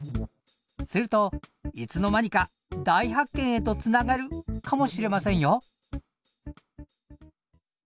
するといつの間にか大発見へとつながるかもしれませんよ！